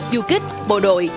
du kích bộ đội